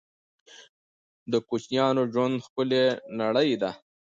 د کوچنیانو ژوند ښکلې نړۍ ده